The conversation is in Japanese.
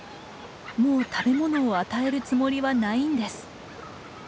もう食べ物を与えるつもりはないんです。